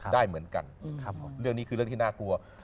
ได้เหมือนกันเรื่องนี้คือเรื่องที่น่ากลัว